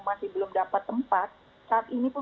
masih belum dapat tempat saat ini pun